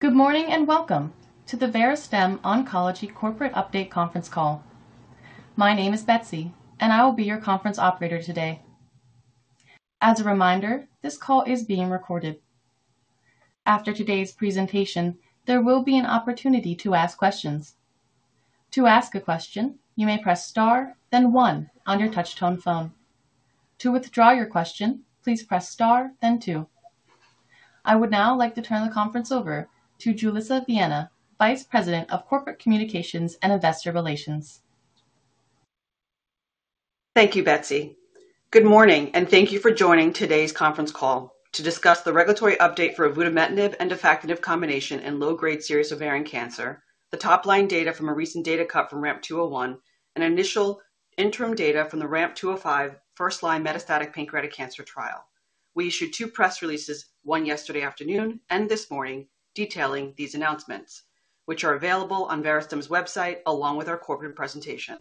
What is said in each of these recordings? Good morning, and welcome to the Verastem Oncology Corporate Update Conference Call. My name is Betsy, and I will be your conference operator today. As a reminder, this call is being recorded. After today's presentation, there will be an opportunity to ask questions. To ask a question, you may press star, then one on your touchtone phone. To withdraw your question, please press star then two. I would now like to turn the conference over to Julissa Viana, Vice President of Corporate Communications and Investor Relations. Thank you, Betsy. Good morning, and thank you for joining today's conference call to discuss the regulatory update for avutametinib and defactinib combination in low-grade serous ovarian cancer, the top-line data from a recent data cut from RAMP 201, and initial interim data from the RAMP 205 first-line metastatic pancreatic cancer trial. We issued two press releases, one yesterday afternoon and this morning, detailing these announcements, which are available on Verastem's website, along with our corporate presentation.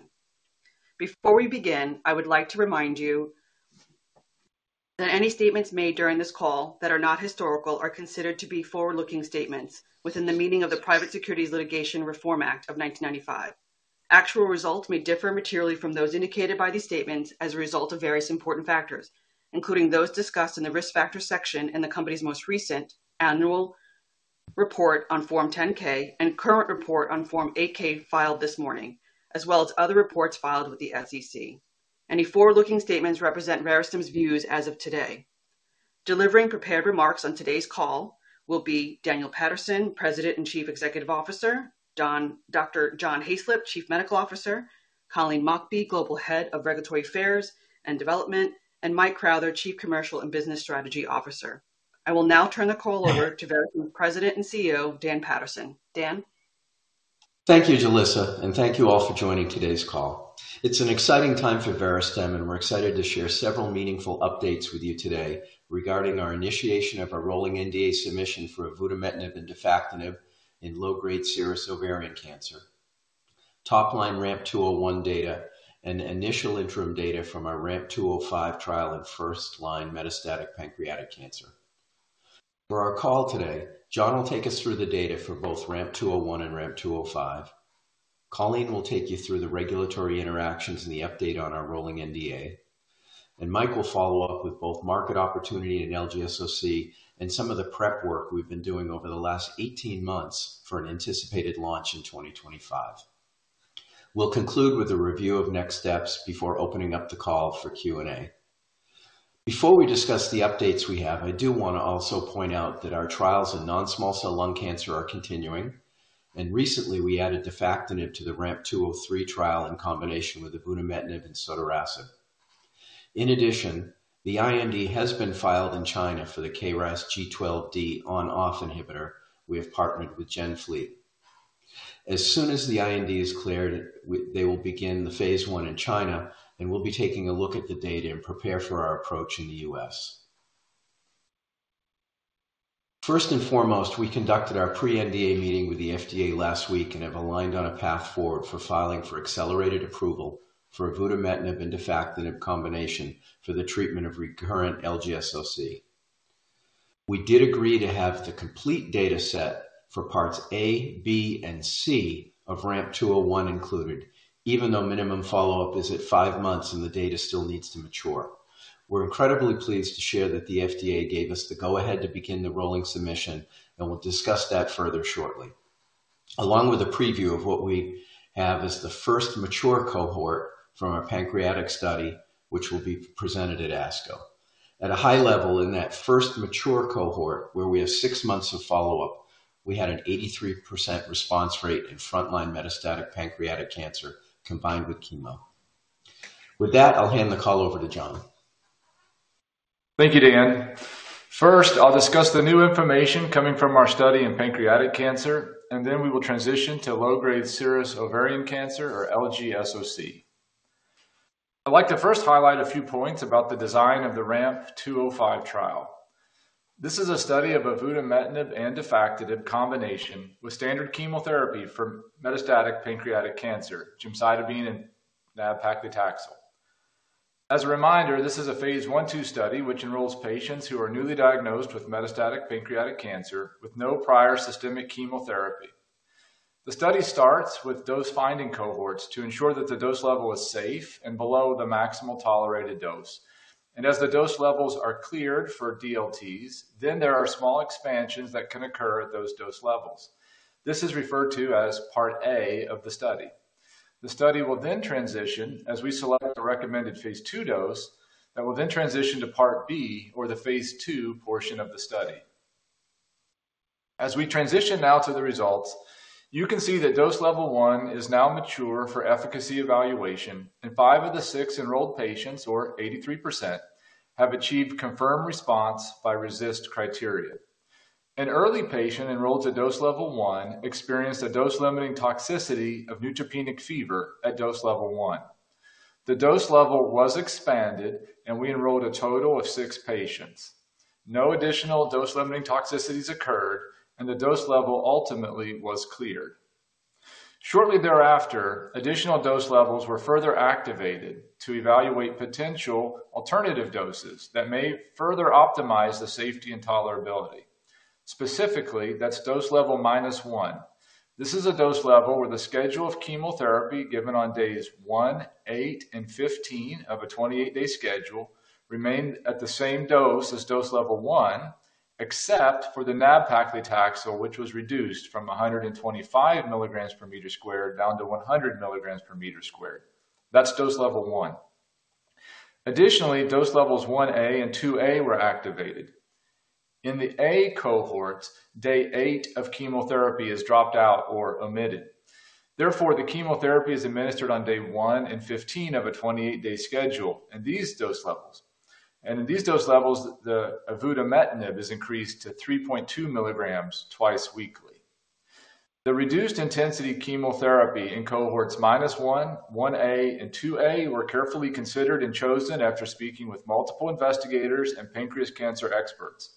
Before we begin, I would like to remind you that any statements made during this call that are not historical are considered to be forward-looking statements within the meaning of the Private Securities Litigation Reform Act of 1995. Actual results may differ materially from those indicated by these statements as a result of various important factors, including those discussed in the Risk Factors section in the company's most recent annual report on Form 10-K and current report on Form 8-K filed this morning, as well as other reports filed with the SEC. Any forward-looking statements represent Verastem's views as of today. Delivering prepared remarks on today's call will be Dan Paterson, President and Chief Executive Officer, Dr. John Hayslip, Chief Medical Officer, Colleen Mockbee, Global Head of Regulatory Affairs and Development, and Mike Crowther, Chief Commercial and Business Strategy Officer. I will now turn the call over to Verastem President and CEO, Dan Paterson. Dan? Thank you, Julissa, and thank you all for joining today's call. It's an exciting time for Verastem, and we're excited to share several meaningful updates with you today regarding our initiation of a rolling NDA submission for avutametinib and defactinib in low-grade serous ovarian cancer. Top-line RAMP 201 data and initial interim data from our RAMP 205 trial in first-line metastatic pancreatic cancer. For our call today, John will take us through the data for both RAMP 201 and RAMP 205. Colleen will take you through the regulatory interactions and the update on our rolling NDA, and Mike will follow up with both market opportunity and LGSOC and some of the prep work we've been doing over the last 18 months for an anticipated launch in 2025. We'll conclude with a review of next steps before opening up the call for Q&A. Before we discuss the updates we have, I do want to also point out that our trials in non-small cell lung cancer are continuing, and recently we added defactinib to the RAMP 203 trial in combination with avutametinib and sotorasib. In addition, the IND has been filed in China for the KRAS G12D on/off inhibitor we have partnered with GenFleet. As soon as the IND is cleared, they will begin the phase 1 in China, and we'll be taking a look at the data and prepare for our approach in the U.S. First and foremost, we conducted our pre-NDA meeting with the FDA last week and have aligned on a path forward for filing for accelerated approval for avutametinib and defactinib combination for the treatment of recurrent LGSOC. We did agree to have the complete data set for parts A, B, and C of RAMP 201 included, even though minimum follow-up is at five months and the data still needs to mature. We're incredibly pleased to share that the FDA gave us the go-ahead to begin the rolling submission, and we'll discuss that further shortly. Along with a preview of what we have as the first mature cohort from our pancreatic study, which will be presented at ASCO. At a high level, in that first mature cohort, where we have six months of follow-up, we had an 83% response rate in frontline metastatic pancreatic cancer combined with chemo. With that, I'll hand the call over to John. Thank you, Dan. First, I'll discuss the new information coming from our study in pancreatic cancer, and then we will transition to low-grade serous ovarian cancer, or LGSOC. I'd like to first highlight a few points about the design of the RAMP 205 trial. This is a study of avutametinib and defactinib combination with standard chemotherapy for metastatic pancreatic cancer, gemcitabine and nab-paclitaxel. As a reminder, this is a phase 1/2 study, which enrolls patients who are newly diagnosed with metastatic pancreatic cancer with no prior systemic chemotherapy. The study starts with dose finding cohorts to ensure that the dose level is safe and below the maximal tolerated dose. As the dose levels are cleared for DLTs, then there are small expansions that can occur at those dose levels. This is referred to as part A of the study. The study will then transition as we select the recommended phase II dose and will then transition to part B or the phase II portion of the study. As we transition now to the results, you can see that dose level 1 is now mature for efficacy evaluation, and 5 of the 6 enrolled patients, or 83%, have achieved confirmed response by RECIST criteria. An early patient enrolled to dose level 1 experienced a dose-limiting toxicity of neutropenic fever at dose level 1. The dose level was expanded, and we enrolled a total of 6 patients. No additional dose-limiting toxicities occurred, and the dose level ultimately was cleared.... Shortly thereafter, additional dose levels were further activated to evaluate potential alternative doses that may further optimize the safety and tolerability. Specifically, that's dose level minus 1. This is a dose level where the schedule of chemotherapy given on days 1, 8, and 15 of a 28-day schedule remained at the same dose as dose level 1, except for the nab-paclitaxel, which was reduced from 125 mg/m² down to 100 mg/m². That's dose level 1. Additionally, dose levels 1A and 2A were activated. In the A cohorts, day 8 of chemotherapy is dropped out or omitted. Therefore, the chemotherapy is administered on day 1 and 15 of a 28-day schedule in these dose levels. And in these dose levels, the avutametinib is increased to 3.2 mg twice weekly. The reduced intensity chemotherapy in cohorts -1, 1A, and 2A were carefully considered and chosen after speaking with multiple investigators and pancreatic cancer experts.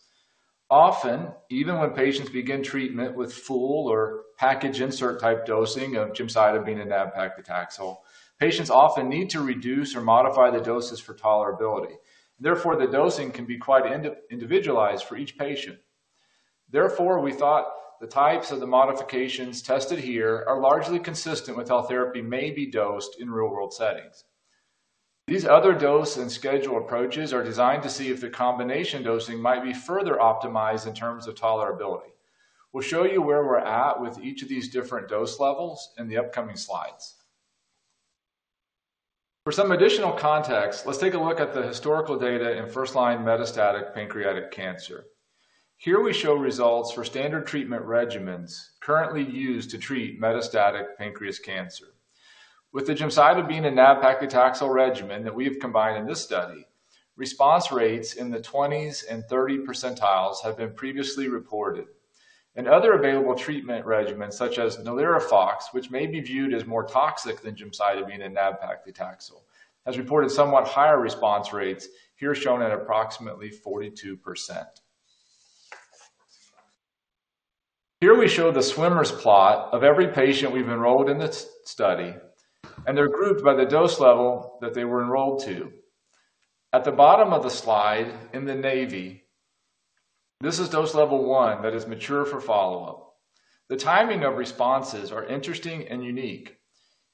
Often, even when patients begin treatment with full or package insert type dosing of gemcitabine and nab-paclitaxel, patients often need to reduce or modify the doses for tolerability. Therefore, the dosing can be quite individualized for each patient. Therefore, we thought the types of the modifications tested here are largely consistent with how therapy may be dosed in real-world settings. These other dose and schedule approaches are designed to see if the combination dosing might be further optimized in terms of tolerability. We'll show you where we're at with each of these different dose levels in the upcoming slides. For some additional context, let's take a look at the historical data in first-line metastatic pancreatic cancer. Here we show results for standard treatment regimens currently used to treat metastatic pancreatic cancer. With the gemcitabine and nab-paclitaxel regimen that we have combined in this study, response rates in the 20s and 30s percent have been previously reported. Other available treatment regimens, such as FOLFIRINOX, which may be viewed as more toxic than gemcitabine and nab-paclitaxel, has reported somewhat higher response rates, here shown at approximately 42%. Here we show the swimmer's plot of every patient we've enrolled in this study, and they're grouped by the dose level that they were enrolled to. At the bottom of the slide in the navy, this is dose level 1 that is mature for follow-up. The timing of responses are interesting and unique.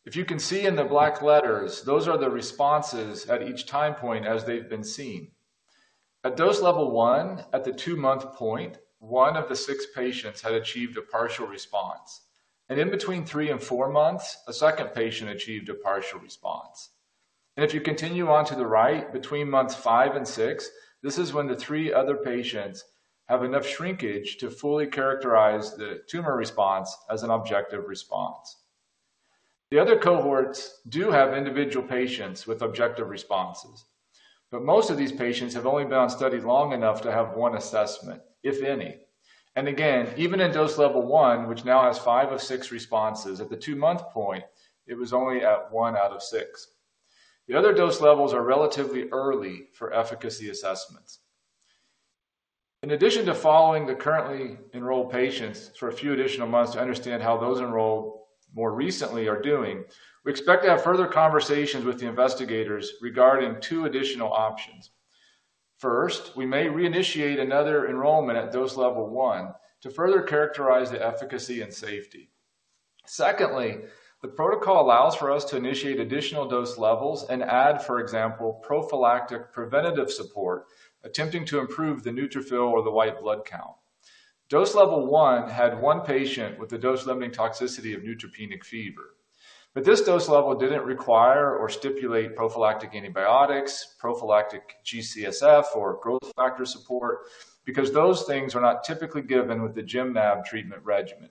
If you can see in the black letters, those are the responses at each time point as they've been seen. At dose level 1, at the 2-month point, 1 of the 6 patients had achieved a partial response, and in between 3 and 4 months, a second patient achieved a partial response. If you continue on to the right, between months 5 and 6, this is when the 3 other patients have enough shrinkage to fully characterize the tumor response as an objective response. The other cohorts do have individual patients with objective responses, but most of these patients have only been on study long enough to have 1 assessment, if any. Again, even in dose level 1, which now has 5 of 6 responses, at the 2-month point, it was only at 1 out of 6. The other dose levels are relatively early for efficacy assessments. In addition to following the currently enrolled patients for a few additional months to understand how those enrolled more recently are doing, we expect to have further conversations with the investigators regarding two additional options. First, we may reinitiate another enrollment at dose level one to further characterize the efficacy and safety. Secondly, the protocol allows for us to initiate additional dose levels and add, for example, prophylactic preventative support, attempting to improve the neutrophil or the white blood count. Dose level one had one patient with a dose-limiting toxicity of neutropenic fever, but this dose level didn't require or stipulate prophylactic antibiotics, prophylactic G-CSF or growth factor support, because those things are not typically given with the gem-nab treatment regimen.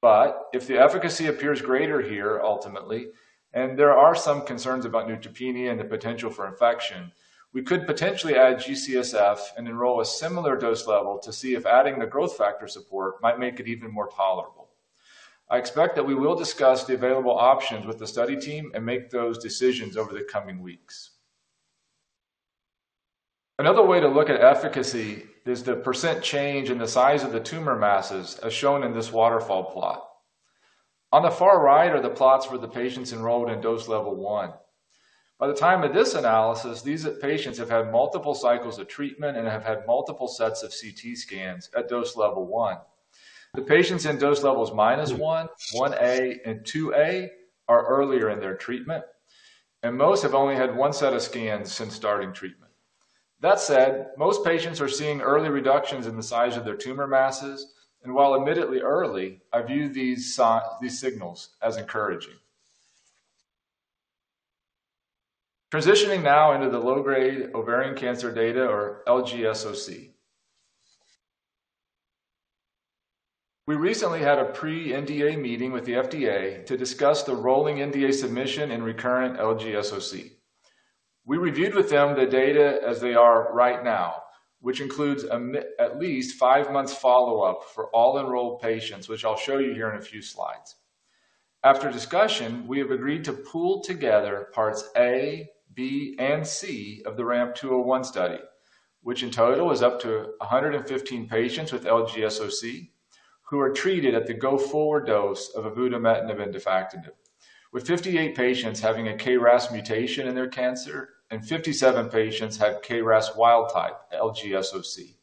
But if the efficacy appears greater here ultimately, and there are some concerns about neutropenia and the potential for infection, we could potentially add G-CSF and enroll a similar dose level to see if adding the growth factor support might make it even more tolerable. I expect that we will discuss the available options with the study team and make those decisions over the coming weeks. Another way to look at efficacy is the percent change in the size of the tumor masses, as shown in this waterfall plot. On the far right are the plots for the patients enrolled in dose level one. By the time of this analysis, these patients have had multiple cycles of treatment and have had multiple sets of CT scans at dose level one. The patients in dose levels minus one, one A, and two A are earlier in their treatment, and most have only had one set of scans since starting treatment. That said, most patients are seeing early reductions in the size of their tumor masses, and while admittedly early, I view these signals as encouraging. Transitioning now into the low-grade ovarian cancer data or LGSOC. We recently had a pre-NDA meeting with the FDA to discuss the rolling NDA submission in recurrent LGSOC. We reviewed with them the data as they are right now, which includes at least five months follow-up for all enrolled patients, which I'll show you here in a few slides. After discussion, we have agreed to pool together parts A, B, and C of the RAMP 201 study. which in total is up to 115 patients with LGSOC, who are treated at the go-forward dose of avutametinib and defactinib, with 58 patients having a KRAS mutation in their cancer and 57 patients have KRAS wild type LGSOC.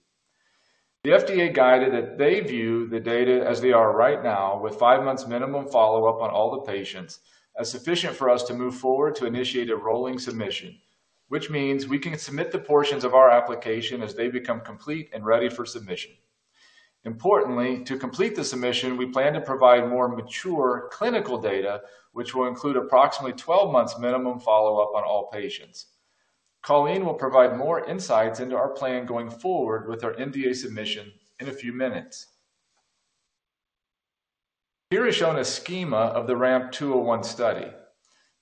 The FDA guided that they view the data as they are right now, with 5 months minimum follow-up on all the patients, as sufficient for us to move forward to initiate a rolling submission, which means we can submit the portions of our application as they become complete and ready for submission. Importantly, to complete the submission, we plan to provide more mature clinical data, which will include approximately 12 months minimum follow-up on all patients. Colleen will provide more insights into our plan going forward with our NDA submission in a few minutes. Here is shown a schema of the RAMP 201 study.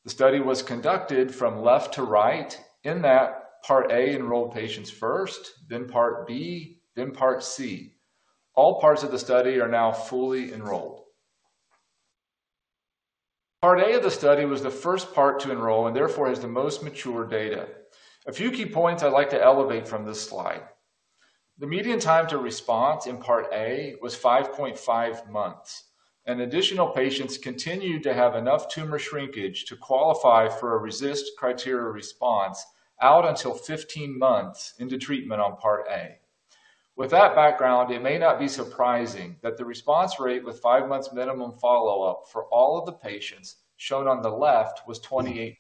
The study was conducted from left to right, in that Part A enrolled patients first, then Part B, then Part C. All parts of the study are now fully enrolled. Part A of the study was the first part to enroll, and therefore is the most mature data. A few key points I'd like to elevate from this slide. The median time to response in Part A was 5.5 months, and additional patients continued to have enough tumor shrinkage to qualify for a RECIST criteria response out until 15 months into treatment on Part A. With that background, it may not be surprising that the response rate with 5 months minimum follow-up for all of the patients shown on the left was 28%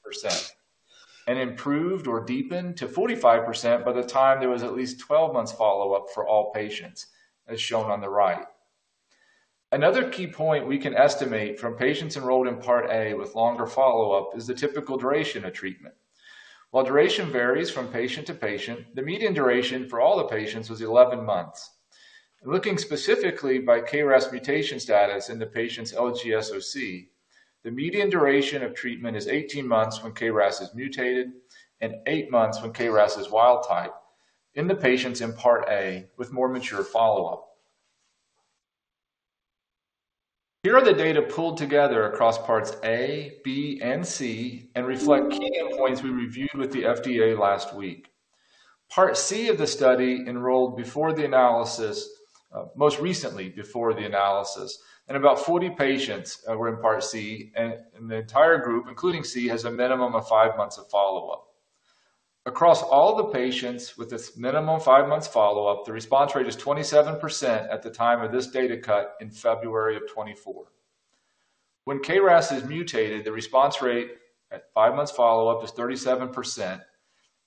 and improved or deepened to 45% by the time there was at least 12 months follow-up for all patients, as shown on the right. Another key point we can estimate from patients enrolled in Part A with longer follow-up is the typical duration of treatment. While duration varies from patient to patient, the median duration for all the patients was 11 months. Looking specifically by KRAS mutation status in the patient's LGSOC, the median duration of treatment is 18 months when KRAS is mutated and 8 months when KRAS is wild type in the patients in Part A with more mature follow-up. Here are the data pooled together across Parts A, B, and C and reflect key endpoints we reviewed with the FDA last week. Part C of the study enrolled before the analysis, most recently before the analysis, and about 40 patients were in Part C, and the entire group, including C, has a minimum of five months of follow-up. Across all the patients with this minimum five-months follow-up, the response rate is 27% at the time of this data cut in February 2024. When KRAS is mutated, the response rate at five months follow-up is 37,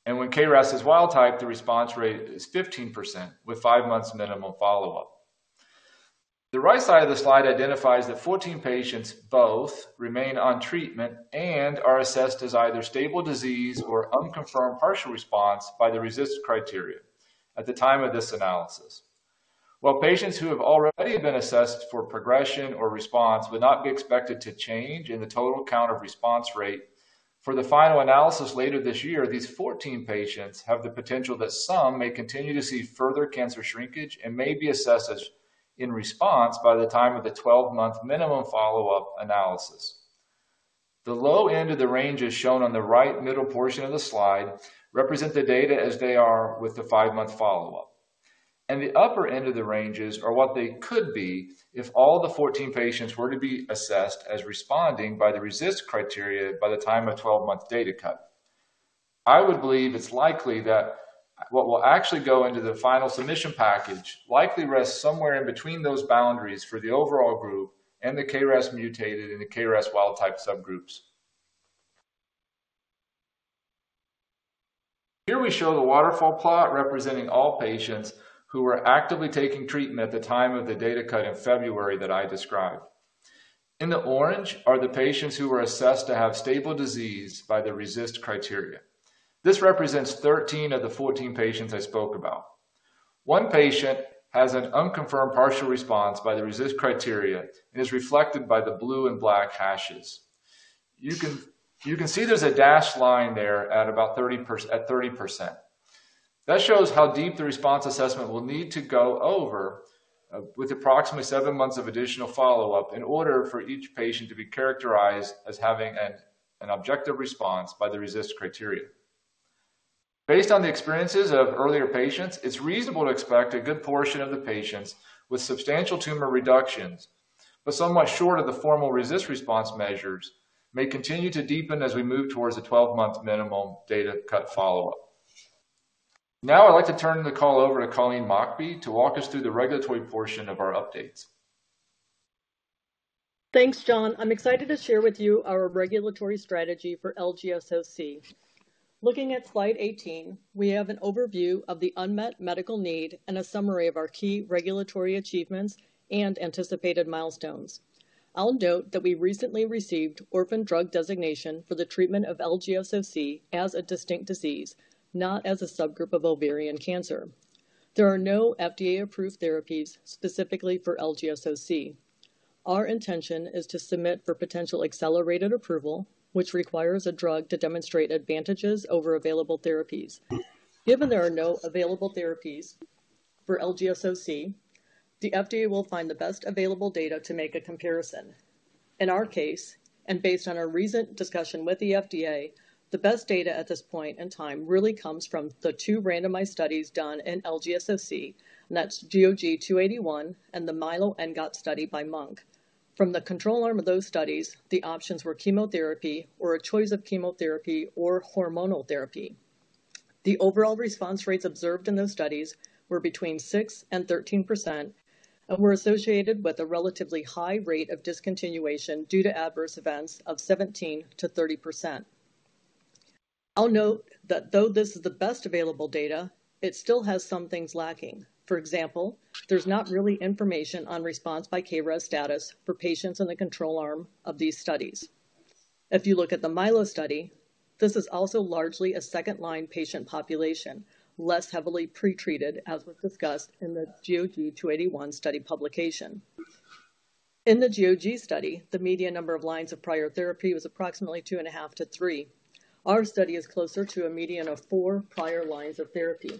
and when KRAS is wild type, the response rate is 15% with five months minimum follow-up. The right side of the slide identifies that 14 patients both remain on treatment and are assessed as either stable disease or unconfirmed partial response by the RECIST criteria at the time of this analysis. While patients who have already been assessed for progression or response would not be expected to change in the total count of response rate, for the final analysis later this year, these 14 patients have the potential that some may continue to see further cancer shrinkage and may be assessed as in response by the time of the 12-month minimum follow-up analysis. The low end of the range is shown on the right middle portion of the slide, represent the data as they are with the 5-month follow-up. The upper end of the ranges are what they could be if all the 14 patients were to be assessed as responding by the RECIST criteria by the time of 12-month data cut. I would believe it's likely that what will actually go into the final submission package likely rests somewhere in between those boundaries for the overall group and the KRAS-mutated and the KRAS wild-type subgroups. Here we show the waterfall plot representing all patients who were actively taking treatment at the time of the data cut in February that I described. In the orange are the patients who were assessed to have stable disease by the RECIST criteria. This represents 13 of the 14 patients I spoke about. One patient has an unconfirmed partial response by the RECIST criteria and is reflected by the blue and black hashes. You can, you can see there's a dashed line there at about 30%. That shows how deep the response assessment will need to go over, with approximately 7 months of additional follow-up, in order for each patient to be characterized as having an objective response by the RECIST criteria. Based on the experiences of earlier patients, it's reasonable to expect a good portion of the patients with substantial tumor reductions, but somewhat short of the formal RECIST response measures, may continue to deepen as we move towards a 12-month minimum data cut follow-up. Now, I'd like to turn the call over to Colleen Mockbee to walk us through the regulatory portion of our updates. Thanks, John. I'm excited to share with you our regulatory strategy for LGSOC. Looking at slide 18, we have an overview of the unmet medical need and a summary of our key regulatory achievements and anticipated milestones. I'll note that we recently received orphan drug designation for the treatment of LGSOC as a distinct disease, not as a subgroup of ovarian cancer. There are no FDA-approved therapies specifically for LGSOC. Our intention is to submit for potential accelerated approval, which requires a drug to demonstrate advantages over available therapies. Given there are no available therapies for LGSOC, the FDA will find the best available data to make a comparison. In our case, and based on our recent discussion with the FDA, the best data at this point in time really comes from the two randomized studies done in LGSOC, and that's GOG-0281, and the MILO/ENGOT-ov11 study by Monk. From the control arm of those studies, the options were chemotherapy or a choice of chemotherapy or hormonal therapy. The overall response rates observed in those studies were between 6% and 13%, and were associated with a relatively high rate of discontinuation due to adverse events of 17%-30%. I'll note that though this is the best available data, it still has some things lacking. For example, there's not really information on response by KRAS status for patients in the control arm of these studies. If you look at the MILO study, this is also largely a second-line patient population, less heavily pretreated, as was discussed in the GOG-0281 study publication. In the GOG study, the median number of lines of prior therapy was approximately 2.5-3. Our study is closer to a median of 4 prior lines of therapy.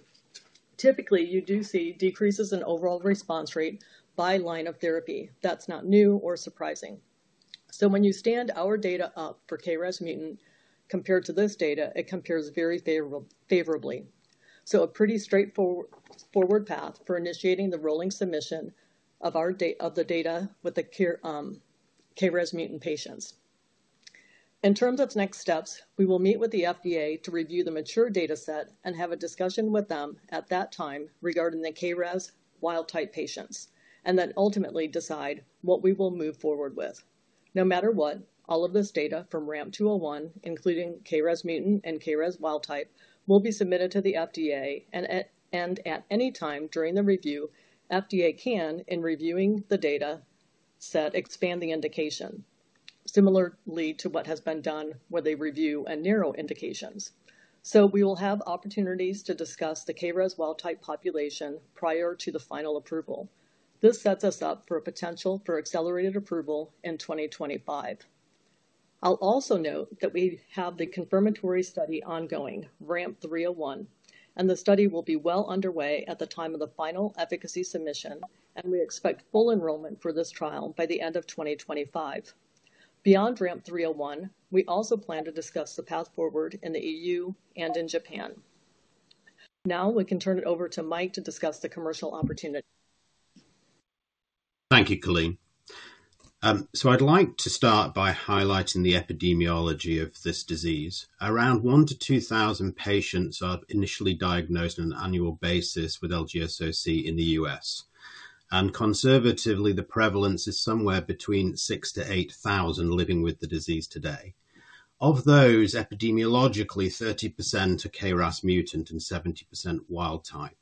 Typically, you do see decreases in overall response rate by line of therapy. That's not new or surprising. So when you stand our data up for KRAS mutant compared to this data, it compares very favorable, favorably. So a pretty straightforward path for initiating the rolling submission of our data with the core KRAS mutant patients. In terms of next steps, we will meet with the FDA to review the mature data set and have a discussion with them at that time regarding the KRAS wild type patients, and then ultimately decide what we will move forward with. No matter what, all of this data from RAMP 201, including KRAS mutant and KRAS wild type, will be submitted to the FDA, and at any time during the review, FDA can, in reviewing the data set, expand the indication, similarly to what has been done where they review and narrow indications. So we will have opportunities to discuss the KRAS wild type population prior to the final approval. This sets us up for a potential for accelerated approval in 2025. I'll also note that we have the confirmatory study ongoing, RAMP 301, and the study will be well underway at the time of the final efficacy submission, and we expect full enrollment for this trial by the end of 2025. Beyond RAMP 301, we also plan to discuss the path forward in the EU and in Japan. Now we can turn it over to Mike to discuss the commercial opportunity. Thank you, Colleen. So I'd like to start by highlighting the epidemiology of this disease. Around 1,000-2,000 patients are initially diagnosed on an annual basis with LGSOC in the U.S., and conservatively, the prevalence is somewhere between 6,000-8,000 living with the disease today. Of those, epidemiologically, 30% are KRAS mutant and 70% wild type.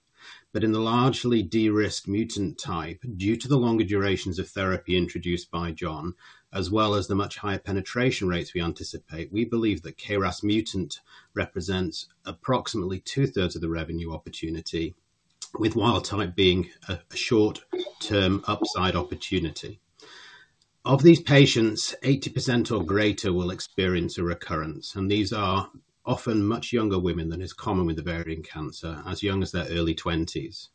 But in the largely de-risked mutant type, due to the longer durations of therapy introduced by John, as well as the much higher penetration rates we anticipate, we believe that KRAS mutant represents approximately two-thirds of the revenue opportunity, with wild type being a short-term upside opportunity. Of these patients, 80% or greater will experience a recurrence, and these are often much younger women than is common with ovarian cancer, as young as their early twenties.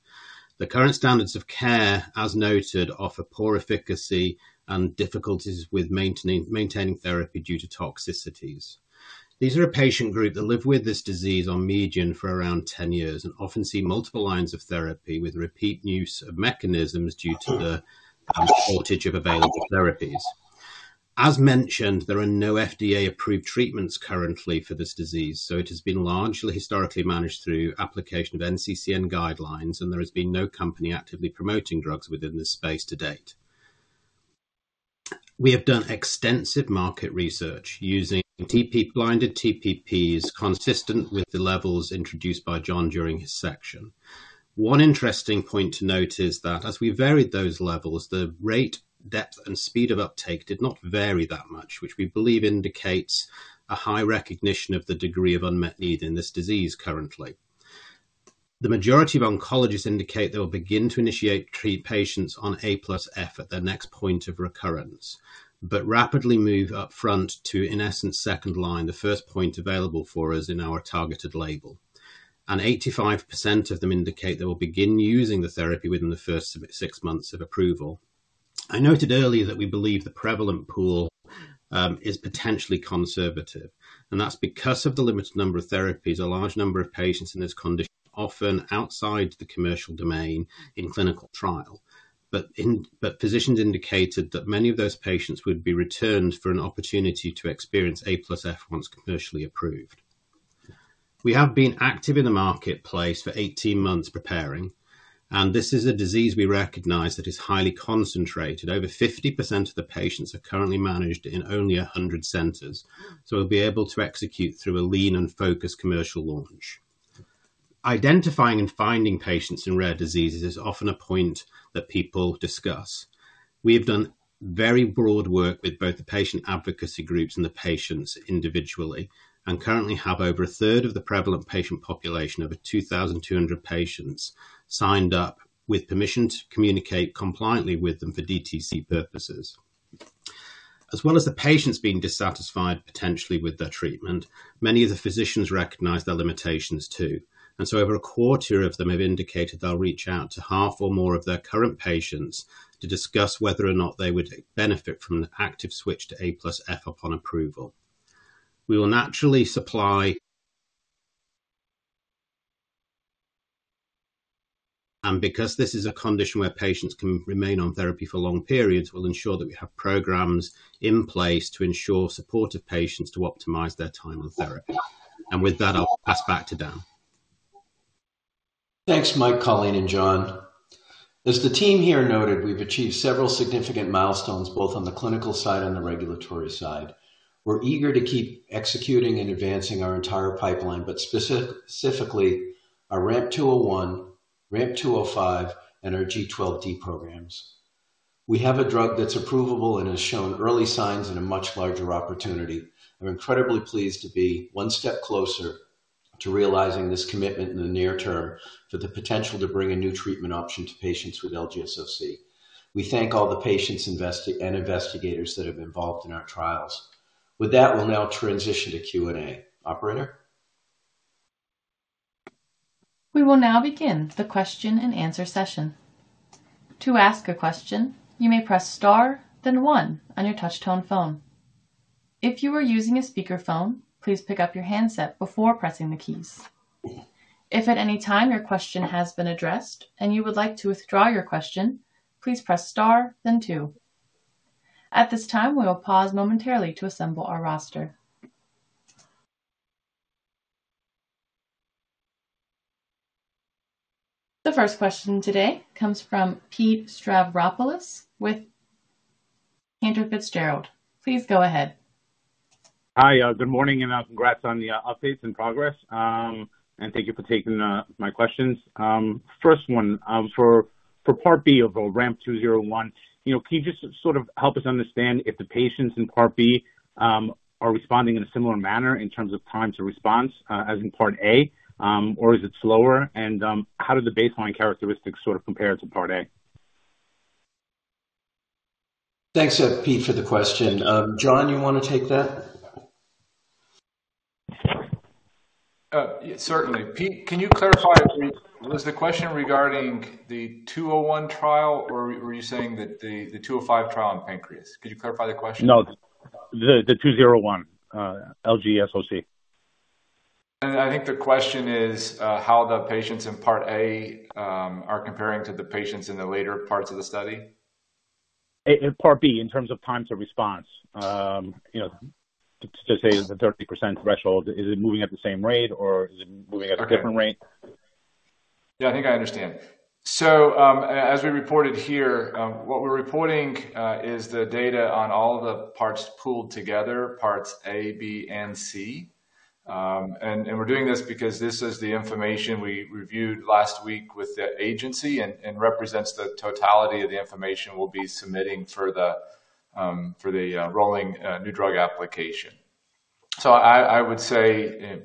The current standards of care, as noted, offer poor efficacy and difficulties with maintaining therapy due to toxicities. These are a patient group that live with this disease on median for around 10 years and often see multiple lines of therapy with repeat use of mechanisms due to the shortage of available therapies. As mentioned, there are no FDA-approved treatments currently for this disease, so it has been largely historically managed through application of NCCN guidelines, and there has been no company actively promoting drugs within this space to date. We have done extensive market research using TP-blinded TPPs, consistent with the levels introduced by John during his section. One interesting point to note is that as we varied those levels, the rate, depth and speed of uptake did not vary that much, which we believe indicates a high recognition of the degree of unmet need in this disease currently. The majority of oncologists indicate they will begin to initiate treat patients on A plus F at their next point of recurrence, but rapidly move upfront to, in essence, second line, the first point available for us in our targeted label. And 85% of them indicate they will begin using the therapy within the first six months of approval. I noted earlier that we believe the prevalent pool is potentially conservative, and that's because of the limited number of therapies. A large number of patients in this condition, often outside the commercial domain in clinical trial. But physicians indicated that many of those patients would be returned for an opportunity to experience A plus F once commercially approved. We have been active in the marketplace for 18 months preparing, and this is a disease we recognize that is highly concentrated. Over 50% of the patients are currently managed in only 100 centers, so we'll be able to execute through a lean and focused commercial launch. Identifying and finding patients in rare diseases is often a point that people discuss. We have done very broad work with both the patient advocacy groups and the patients individually, and currently have over a third of the prevalent patient population, over 2,200 patients, signed up with permission to communicate compliantly with them for DTC purposes. As well as the patients being dissatisfied potentially with their treatment, many of the physicians recognize their limitations too. And so over a quarter of them have indicated they'll reach out to half or more of their current patients to discuss whether or not they would benefit from an active switch to A plus F upon approval. We will naturally supply. And because this is a condition where patients can remain on therapy for long periods, we'll ensure that we have programs in place to ensure support of patients to optimize their time on therapy. And with that, I'll pass back to Dan. Thanks, Mike, Colleen, and John. As the team here noted, we've achieved several significant milestones, both on the clinical side and the regulatory side. We're eager to keep executing and advancing our entire pipeline, but specifically our RAMP 201, RAMP 205, and our G12D programs. We have a drug that's approvable and has shown early signs in a much larger opportunity. I'm incredibly pleased to be one step closer to realizing this commitment in the near term for the potential to bring a new treatment option to patients with LGSOC. We thank all the patients and investigators that have been involved in our trials. With that, we'll now transition to Q&A. Operator? We will now begin the question-and-answer session. To ask a question, you may press Star, then one on your touch tone phone. If you are using a speakerphone, please pick up your handset before pressing the keys. If at any time your question has been addressed and you would like to withdraw your question, please press Star then two. At this time, we will pause momentarily to assemble our roster. The first question today comes from Pete Stavropoulos with Andrew Fitzgerald. Please go ahead. Hi, good morning, and congrats on the updates and progress. And thank you for taking my questions. First one, for part B of RAMP 201, you know, can you just sort of help us understand if the patients in part B are responding in a similar manner in terms of time to response, as in part A, or is it slower? And, how do the baseline characteristics sort of compare to part A? Thanks, Pete, for the question. John, you want to take that? Certainly. Pete, can you clarify? Was the question regarding the 201 trial, or were you saying that the 205 trial in pancreas? Could you clarify the question? No, the 201, LGSOC. I think the question is, how the patients in part A are comparing to the patients in the later parts of the study. In part B, in terms of times of response. You know, to say the 30% threshold, is it moving at the same rate or is it moving at a different rate? Yeah, I think I understand. So, as we reported here, what we're reporting is the data on all the parts pooled together, parts A, B, and C. And we're doing this because this is the information we reviewed last week with the agency and represents the totality of the information we'll be submitting for the rolling new drug application. So I would say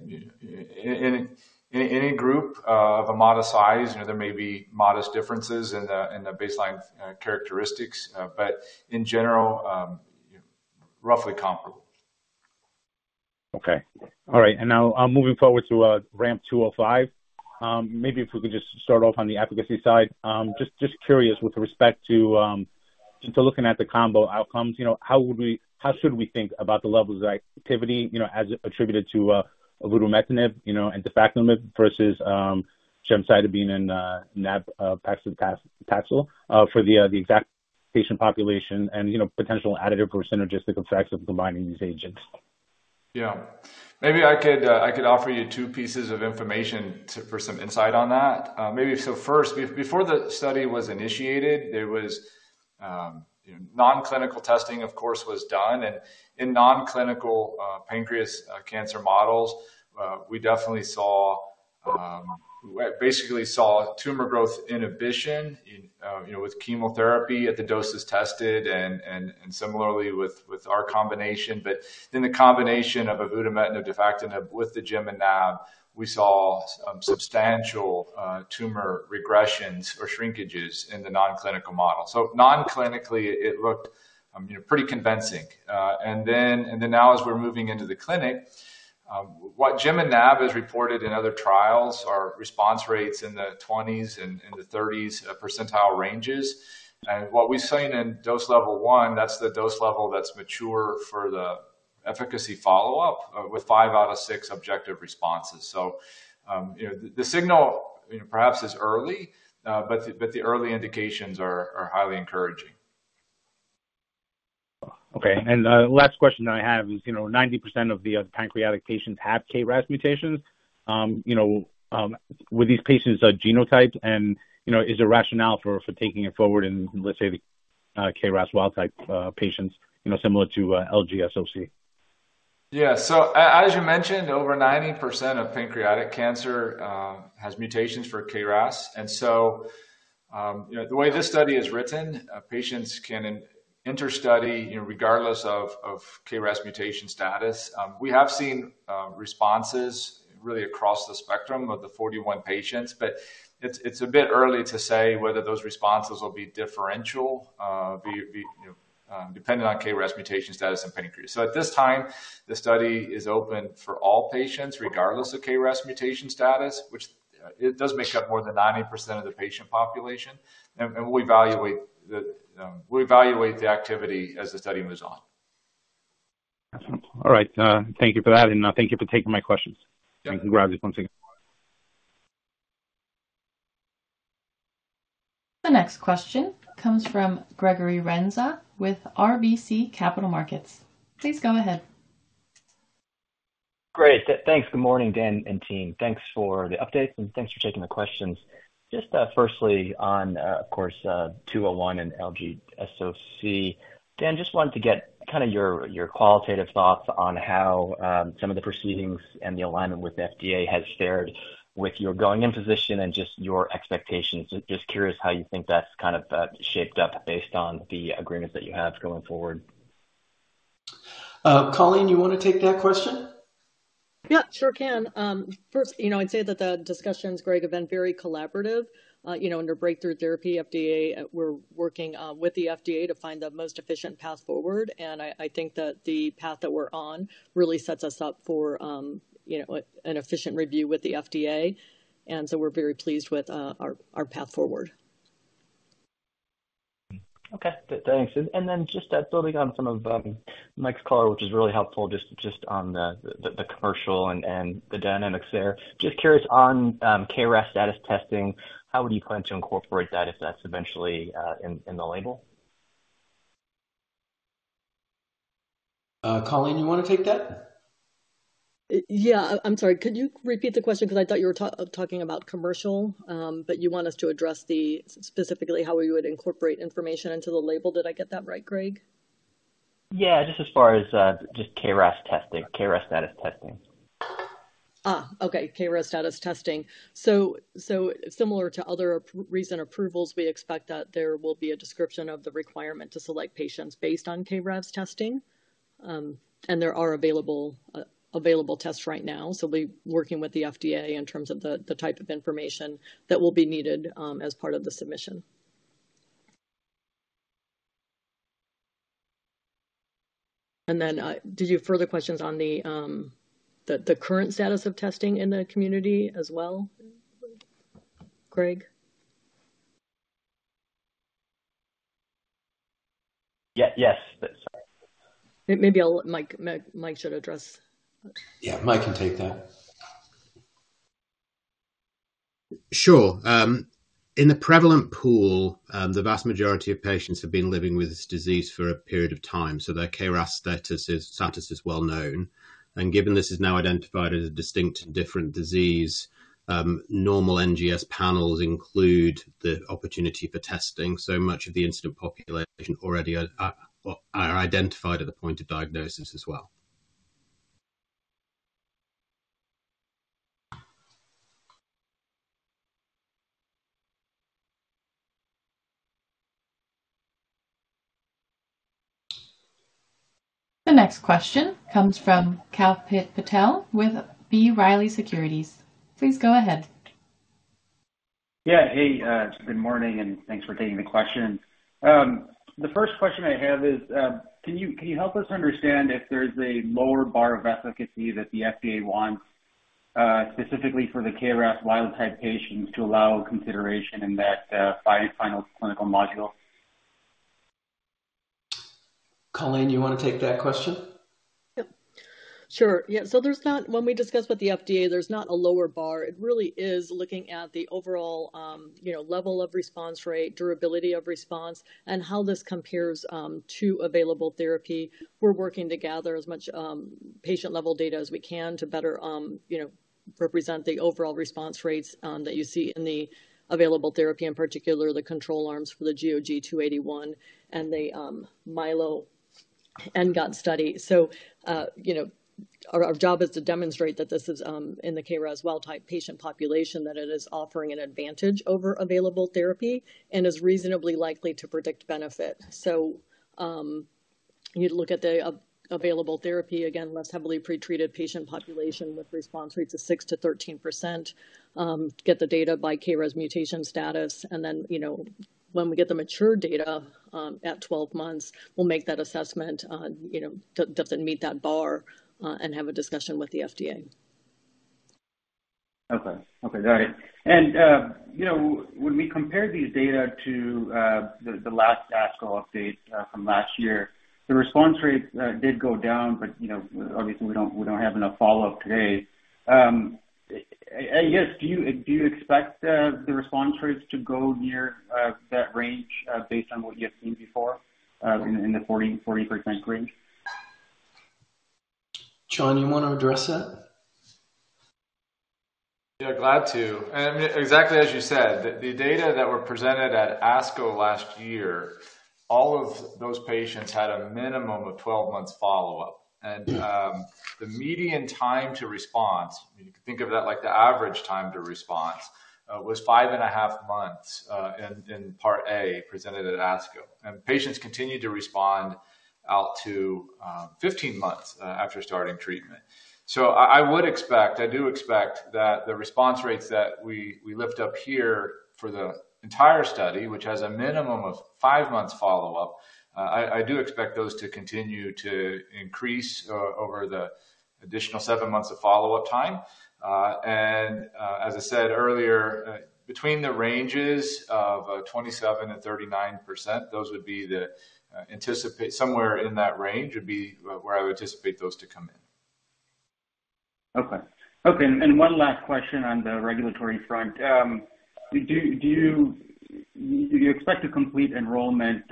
in any group of a modest size, you know, there may be modest differences in the baseline characteristics, but in general, roughly comparable. Okay. All right, and now, moving forward to RAMP 205. Maybe if we could just start off on the efficacy side. Just curious with respect to looking at the combo outcomes, you know, how would we, how should we think about the levels of activity, you know, as attributed to avutametinib, you know, and defactinib versus gemcitabine and nab-paclitaxel for the exact patient population and, you know, potential additive or synergistic effects of combining these agents? Yeah. Maybe I could, I could offer you two pieces of information to, for some insight on that. Maybe so first, before the study was initiated, there was, non-clinical testing, of course, was done, and in non-clinical, pancreatic cancer models, we definitely saw, basically saw tumor growth inhibition in, you know, with chemotherapy at the doses tested and, and similarly with, with our combination. But then the combination of avutametinib, defactinib with the gem and nab, we saw, substantial, tumor regressions or shrinkages in the non-clinical model. So non-clinically, it looked, pretty convincing. And then now as we're moving into the clinic, what gem and nab has reported in other trials are response rates in the 20s and the 30s percentile ranges. What we've seen in dose level 1, that's the dose level that's mature for the efficacy follow-up, with 5 out of 6 objective responses. So, you know, the signal, you know, perhaps is early, but the early indications are highly encouraging. Okay, and the last question I have is, you know, 90% of the pancreatic patients have KRAS mutations. You know, with these patients are genotypes and, you know, is there rationale for, for taking it forward in, let's say, the, KRAS wild type, patients, you know, similar to, LGSOC? Yeah, so as you mentioned, over 90% of pancreatic cancer has mutations for KRAS. And so, you know, the way this study is written, patients can enter study, you know, regardless of KRAS mutation status. We have seen responses really across the spectrum of the 41 patients, but it's a bit early to say whether those responses will be differential, be dependent on KRAS mutation status and pancreas. So at this time, the study is open for all patients, regardless of KRAS mutation status, which it does make up more than 90% of the patient population. And we evaluate the activity as the study moves on.... All right, thank you for that, and, thank you for taking my questions. Thank you. Congratulations once again. The next question comes from Gregory Renza with RBC Capital Markets. Please go ahead. Great. Thanks. Good morning, Dan and team. Thanks for the updates, and thanks for taking the questions. Just, firstly on, of course, 201 and LGSOC. Dan, just wanted to get kind of your, your qualitative thoughts on how, some of the proceedings and the alignment with FDA has shared with your going-in position and just your expectations. Just curious how you think that's kind of, shaped up based on the agreements that you have going forward. Colleen, you want to take that question? Yeah, sure can. First, you know, I'd say that the discussions, Greg, have been very collaborative. You know, under Breakthrough Therapy, FDA, we're working with the FDA to find the most efficient path forward, and I, I think that the path that we're on really sets us up for, you know, an efficient review with the FDA, and so we're very pleased with our path forward. Okay, thanks. Just building on some of Mike's call, which is really helpful, just on the commercial and the dynamics there. Just curious on KRAS status testing, how would you plan to incorporate that if that's eventually in the label? Colleen, you want to take that? Yeah. I'm sorry, could you repeat the question? Because I thought you were talking about commercial, but you want us to address the specifically how we would incorporate information into the label. Did I get that right, Greg? Yeah, just as far as just KRAS testing, KRAS status testing. Okay. KRAS status testing. So, so similar to other recent approvals, we expect that there will be a description of the requirement to select patients based on KRAS testing. And there are available, available tests right now, so we'll be working with the FDA in terms of the, the type of information that will be needed, as part of the submission. And then, did you have further questions on the, the, the current status of testing in the community as well, Greg? Yeah. Yes, but sorry. Maybe I'll let Mike. Mike should address that. Yeah, Mike can take that. Sure, in the prevalent pool, the vast majority of patients have been living with this disease for a period of time, so their KRAS status is well known, and given this is now identified as a distinct different disease, normal NGS panels include the opportunity for testing. So much of the incident population already are identified at the point of diagnosis as well. The next question comes from Kalpit Patel with B. Riley Securities. Please go ahead. Yeah. Hey, good morning, and thanks for taking the question. The first question I have is, can you help us understand if there's a lower bar of efficacy that the FDA wants, specifically for the KRAS wild type patients to allow consideration in that final clinical module? Colleen, you want to take that question? Yep. Sure. Yeah, so there's not a lower bar. When we discuss with the FDA, there's not a lower bar. It really is looking at the overall, you know, level of response rate, durability of response, and how this compares to available therapy. We're working to gather as much patient-level data as we can to better, you know, represent the overall response rates that you see in the available therapy, in particular, the control arms for the GOG-0281 and the MILO/ENGOT-ov11 study. So, you know, our job is to demonstrate that this is, in the KRAS wild type patient population, that it is offering an advantage over available therapy and is reasonably likely to predict benefit. So, you'd look at the available therapy, again, less heavily pretreated patient population with response rates of 6%-13%, get the data by KRAS mutation status, and then, you know, when we get the mature data at 12 months, we'll make that assessment on, you know, does it meet that bar, and have a discussion with the FDA. Okay. Okay, got it. You know, when we compare these data to the last ASCO update from last year, the response rates did go down, but, you know, obviously we don't, we don't have enough follow-up today. I guess, do you expect the response rates to go near that range, based on what you have seen before, in the 40% range? John, you want to address that? Yeah, glad to. And exactly as you said, the data that were presented at ASCO last year, all of those patients had a minimum of 12 months follow-up. And the median time to response, you can think of that, like the average time to response, was 5.5 months, in part A, presented at ASCO. And patients continued to respond out to 15 months after starting treatment. So I would expect, I do expect that the response rates that we lift up here for the entire study, which has a minimum of 5 months follow-up, I do expect those to continue to increase, over the additional 7 months of follow-up time. As I said earlier, between the ranges of 27%-39%, those would be the anticipated somewhere in that range, would be where I would anticipate those to come in.... Okay. Okay, and one last question on the regulatory front. Do you expect to complete enrollment,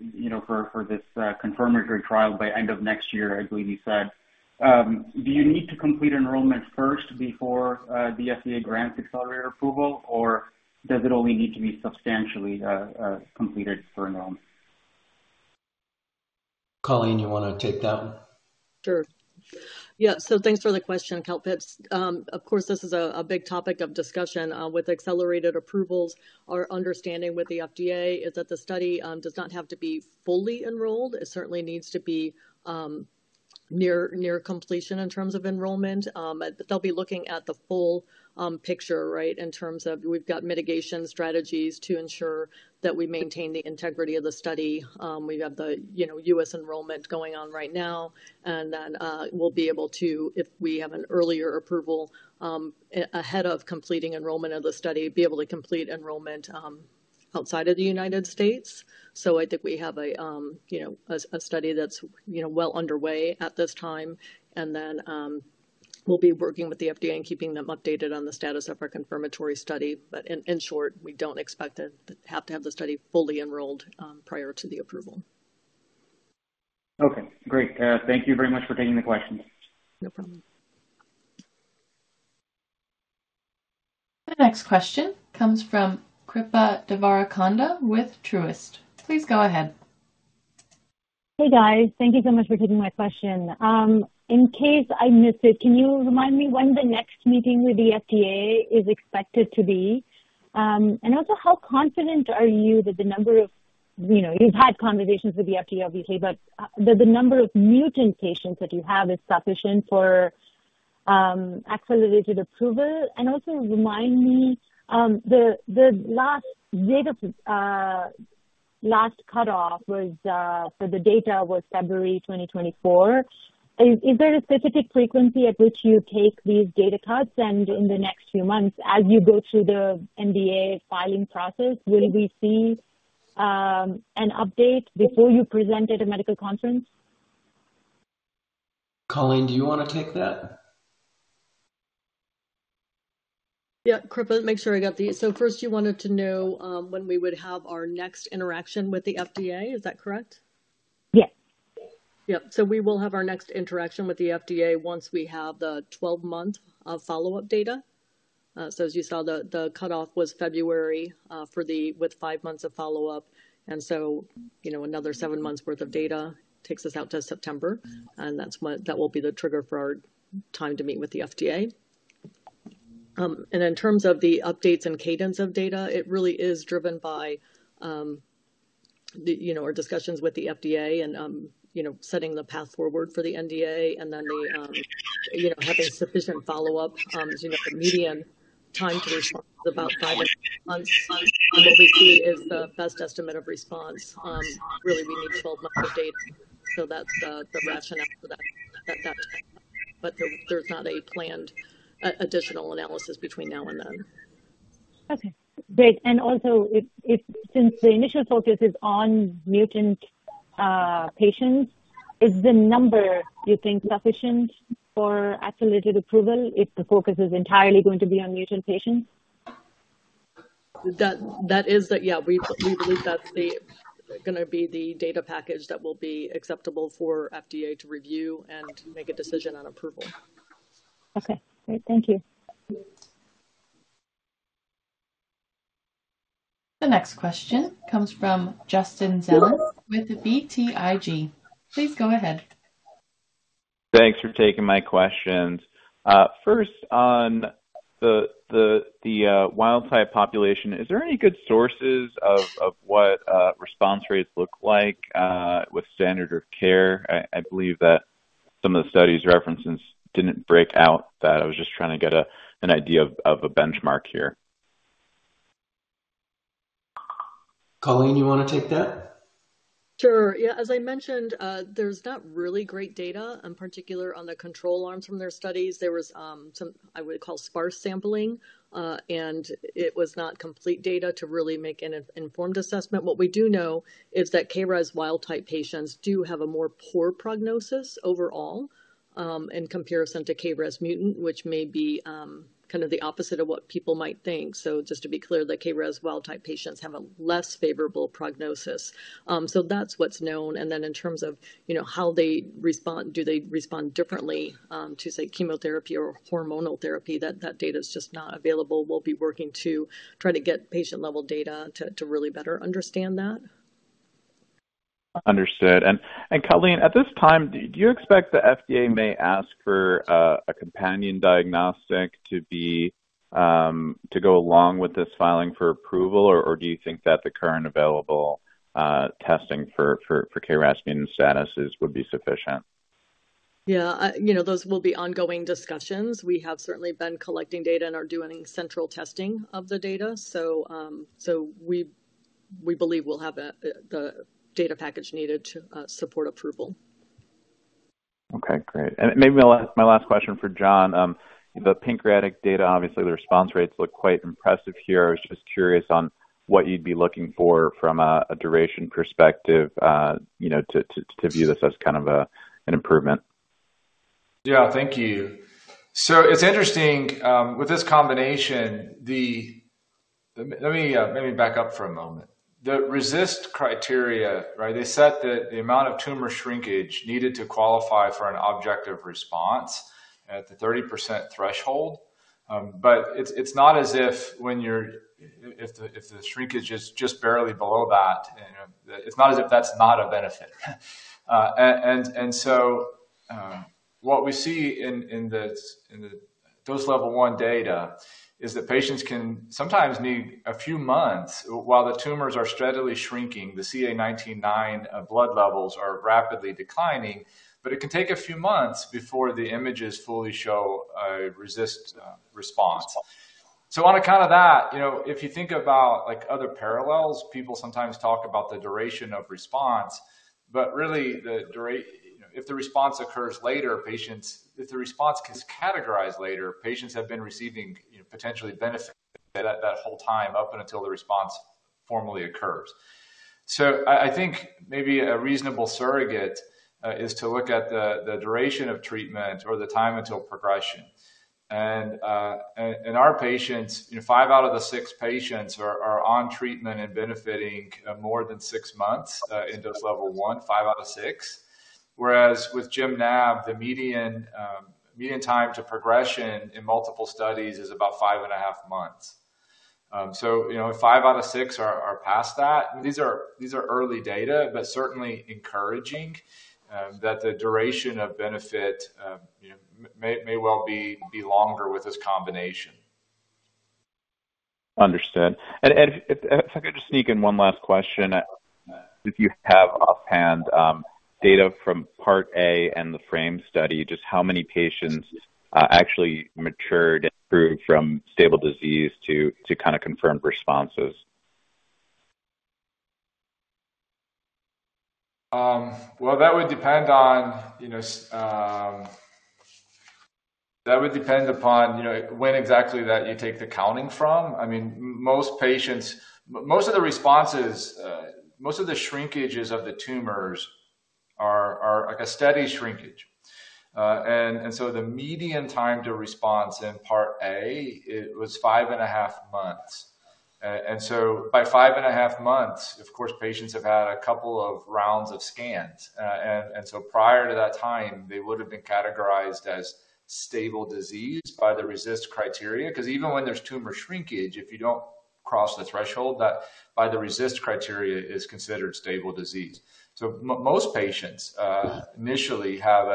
you know, for this confirmatory trial by end of next year, I believe you said? Do you need to complete enrollment first before the FDA grants accelerated approval, or does it only need to be substantially completed for enrollment? Colleen, you want to take that one? Sure. Yeah, so thanks for the question, Kalpit. Of course, this is a big topic of discussion with accelerated approvals. Our understanding with the FDA is that the study does not have to be fully enrolled. It certainly needs to be near completion in terms of enrollment. But they'll be looking at the full picture, right? In terms of we've got mitigation strategies to ensure that we maintain the integrity of the study. We have the, you know, U.S. enrollment going on right now, and then we'll be able to, if we have an earlier approval, ahead of completing enrollment of the study, be able to complete enrollment outside of the United States. So I think we have a, you know, a study that's, you know, well underway at this time, and then we'll be working with the FDA and keeping them updated on the status of our confirmatory study. But in short, we don't expect to have to have the study fully enrolled prior to the approval. Okay, great. Thank you very much for taking the question. No problem. The next question comes from Kripa Devarakonda with Truist. Please go ahead. Hey, guys. Thank you so much for taking my question. In case I missed it, can you remind me when the next meeting with the FDA is expected to be? And also, how confident are you that the number of... You know, you've had conversations with the FDA, okay, but that the number of mutant patients that you have is sufficient for accelerated approval? And also remind me, the last data last cutoff was for the data was February 2024. Is there a specific frequency at which you take these data cuts? And in the next few months, as you go through the NDA filing process, will we see an update before you present at a medical conference? Colleen, do you want to take that? Yeah. Kripa, make sure I got these. So first, you wanted to know, when we would have our next interaction with the FDA. Is that correct? Yes. Yeah. So we will have our next interaction with the FDA once we have the 12-month of follow-up data. So as you saw, the cutoff was February for the with 5 months of follow-up, and so, you know, another 7 months worth of data takes us out to September, and that's when- that will be the trigger for our time to meet with the FDA. And in terms of the updates and cadence of data, it really is driven by, the, you know, our discussions with the FDA and, you know, setting the path forward for the NDA and then the, you know, having sufficient follow-up. As you know, the median time to response is about 5 months. What we see is the best estimate of response. Really, we need 12 months of data, so that's the rationale for that, at that time. But there, there's not a planned additional analysis between now and then. Okay, great. And also, if since the initial focus is on mutant patients, is the number, you think, sufficient for accelerated approval if the focus is entirely going to be on mutant patients? That is the... Yeah, we believe that's gonna be the data package that will be acceptable for FDA to review and make a decision on approval. Okay, great. Thank you. The next question comes from Justin Zelin with BTIG. Please go ahead. Thanks for taking my questions. First, on the wild-type population, is there any good sources of what response rates look like with standard of care? I believe that some of the studies references didn't break out that I was just trying to get an idea of a benchmark here. Colleen, you want to take that? Sure. Yeah, as I mentioned, there's not really great data, in particular on the control arms from their studies. There was some I would call sparse sampling, and it was not complete data to really make an informed assessment. What we do know is that KRAS wild-type patients do have a more poor prognosis overall, in comparison to KRAS mutant, which may be kind of the opposite of what people might think. So just to be clear, the KRAS wild-type patients have a less favorable prognosis. So that's what's known. And then in terms of, you know, how they respond, do they respond differently to, say, chemotherapy or hormonal therapy? That data is just not available. We'll be working to try to get patient-level data to really better understand that. Understood. And Colleen, at this time, do you expect the FDA may ask for a companion diagnostic to be to go along with this filing for approval? Or do you think that the current available testing for KRAS mutant statuses would be sufficient? Yeah, you know, those will be ongoing discussions. We have certainly been collecting data and are doing central testing of the data. So, we believe we'll have the data package needed to support approval. Okay, great. And maybe my last, my last question for John. The pancreatic data, obviously, the response rates look quite impressive here. I was just curious on what you'd be looking for from a duration perspective, you know, to view this as kind of an improvement?... Yeah, thank you. So it's interesting with this combination. Let me back up for a moment. The RECIST criteria, right? They set that the amount of tumor shrinkage needed to qualify for an objective response at the 30% threshold. But it's not as if when you're—if the shrinkage is just barely below that, you know, it's not as if that's not a benefit. And so what we see in the dose level 1 data is that patients can sometimes need a few months while the tumors are steadily shrinking, the CA 19-9 blood levels are rapidly declining, but it can take a few months before the images fully show a RECIST response. So on account of that, you know, if you think about, like, other parallels, people sometimes talk about the duration of response, but really the dura-- if the response occurs later, patients-- if the response is categorized later, patients have been receiving, you know, potentially benefit at that whole time up until the response formally occurs. So I, I think maybe a reasonable surrogate is to look at the duration of treatment or the time until progression. And in our patients, you know, 5 out of the 6 patients are on treatment and benefiting more than 6 months in dose level 1, 5 out of 6. Whereas with GEMNAB, the median median time to progression in multiple studies is about 5.5 months. So, you know, if five out of six are past that, these are early data, but certainly encouraging that the duration of benefit, you know, may well be longer with this combination. Understood. And if I could just sneak in one last question, if you have offhand data from Part A and the FRAME study, just how many patients actually matured and improved from stable disease to kind of confirmed responses? Well, that would depend on, you know... That would depend upon, you know, when exactly that you take the counting from. I mean, most patients—most of the responses, most of the shrinkages of the tumors are like a steady shrinkage. And so the median time to response in part A, it was 5.5 months. And so by 5.5 months, of course, patients have had a couple of rounds of scans. And so prior to that time, they would have been categorized as stable disease by the RECIST criteria, because even when there's tumor shrinkage, if you don't cross the threshold, that by the RECIST criteria, is considered stable disease. So most patients initially have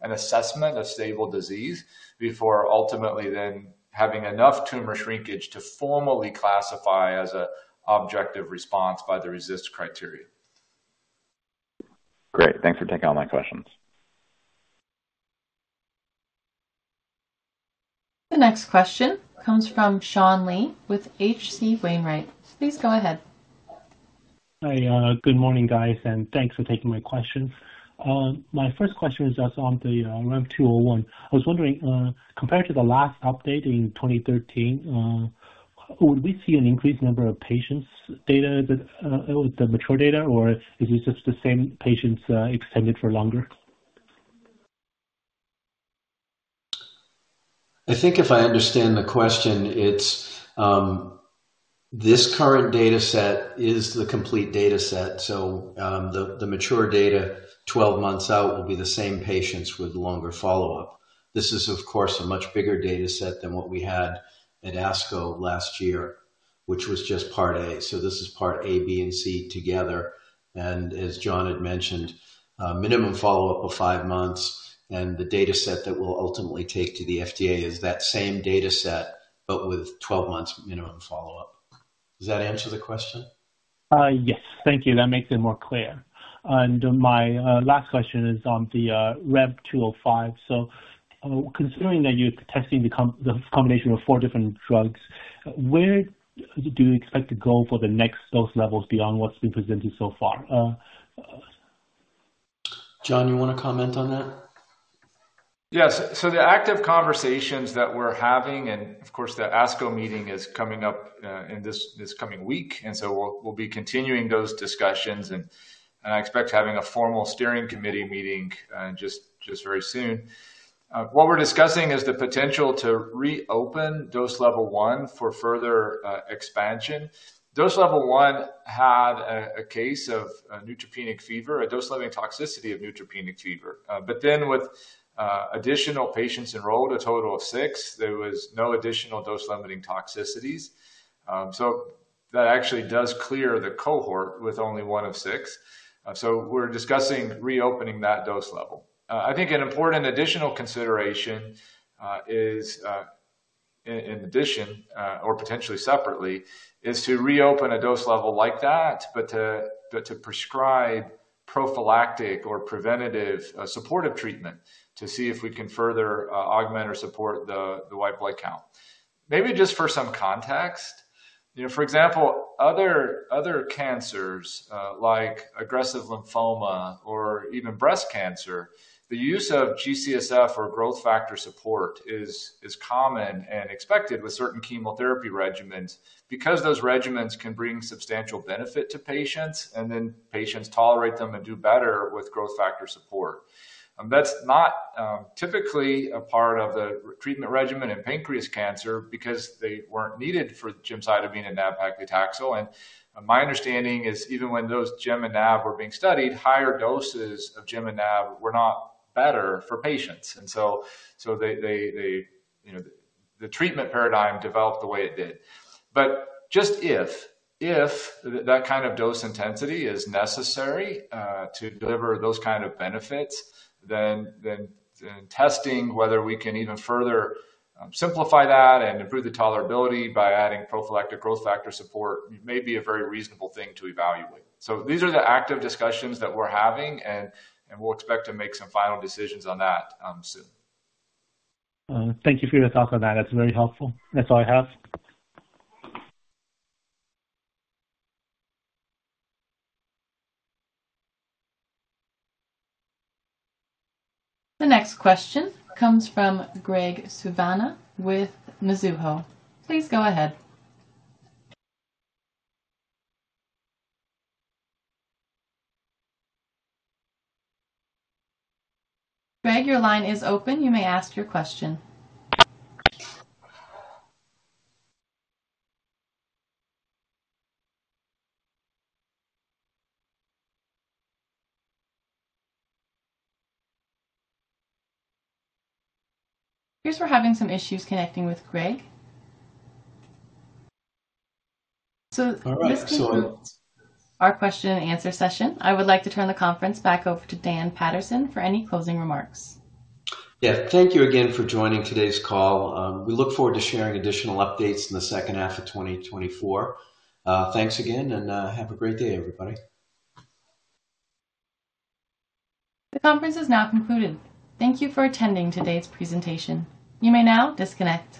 an assessment of stable disease before ultimately then having enough tumor shrinkage to formally classify as an objective response by the RECIST criteria. Great. Thanks for taking all my questions. The next question comes from Sean Lee with H.C. Wainwright. Please go ahead. Hi, good morning, guys, and thanks for taking my question. My first question is just on the RAMP 201. I was wondering, compared to the last update in 2013, would we see an increased number of patients data with the mature data, or is this just the same patients extended for longer? I think if I understand the question, it's this current data set is the complete data set, so the mature data, 12 months out, will be the same patients with longer follow-up. This is, of course, a much bigger data set than what we had at ASCO last year, which was just part A. So this is part A, B, and C together, and as John had mentioned, minimum follow-up of 5 months, and the data set that we'll ultimately take to the FDA is that same data set, but with 12 months minimum follow-up. Does that answer the question? Yes. Thank you. That makes it more clear. And my last question is on the RAMP 205. So, considering that you're testing the combination of four different drugs, where do you expect to go for the next dose levels beyond what's been presented so far? John, you want to comment on that? Yes. So the active conversations that we're having, and of course, the ASCO meeting is coming up, in this coming week, and so we'll be continuing those discussions, and I expect having a formal steering committee meeting, just very soon. What we're discussing is the potential to reopen dose level 1 for further expansion. Dose level 1 had a case of neutropenic fever, a dose-limiting toxicity of neutropenic fever. But then with additional patients enrolled, a total of 6, there was no additional dose-limiting toxicities. So that actually does clear the cohort with only 1 of 6. So we're discussing reopening that dose level. I think an important additional consideration is, in addition, or potentially separately, is to reopen a dose level like that, but to prescribe-... Prophylactic or preventative supportive treatment to see if we can further augment or support the white blood count. Maybe just for some context, you know, for example, other cancers like aggressive lymphoma or even breast cancer, the use of G-CSF or growth factor support is common and expected with certain chemotherapy regimens because those regimens can bring substantial benefit to patients, and then patients tolerate them and do better with growth factor support. That's not typically a part of the treatment regimen in pancreas cancer because they weren't needed for gemcitabine and nab-paclitaxel. And my understanding is even when those gem and nab were being studied, higher doses of gem and nab were not better for patients. And so they, you know, the treatment paradigm developed the way it did. But just if that kind of dose intensity is necessary to deliver those kind of benefits, then testing whether we can even further simplify that and improve the tolerability by adding prophylactic growth factor support may be a very reasonable thing to evaluate. So these are the active discussions that we're having, and we'll expect to make some final decisions on that soon. Thank you for your thoughts on that. That's very helpful. That's all I have. The next question comes from Graig Suvannavejh with Mizuho. Please go ahead. Greg, your line is open. You may ask your question. It appears we're having some issues connecting with Greg. So- All right, so- Our question and answer session. I would like to turn the conference back over to Dan Paterson for any closing remarks. Yeah. Thank you again for joining today's call. We look forward to sharing additional updates in the second half of 2024. Thanks again, and have a great day, everybody. The conference is now concluded. Thank you for attending today's presentation. You may now disconnect.